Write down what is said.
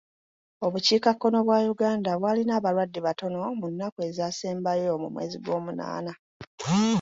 Obukiikakkono bwa Uganda bw'alina abalwadde batono mu nnaku ezasembayo mu mwezi gw'omunaana.